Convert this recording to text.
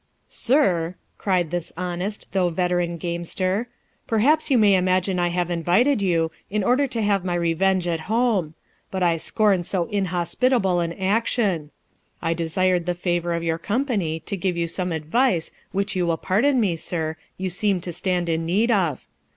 " Sir," cried this honest, though veteran gamester, " perhaps you may imagine I have invited you, in order to have my revenge at home ; but I scorn so inhospitable an action. I desired the favour of your company to give you some advice, which you will pardon me, Sir, you seem to stand in need of.